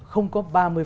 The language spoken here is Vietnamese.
không có ba mươi